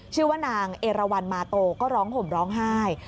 ชื่อว่านางเอราวันมาโตก็ร้องห่มร้องไห้